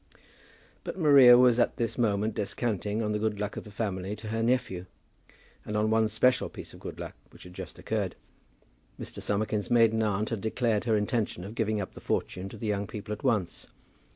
But Maria was at this moment descanting on the good luck of the family to her nephew, and on one special piece of good luck which had just occurred. Mr. Summerkin's maiden aunt had declared her intention of giving up the fortune to the young people at once.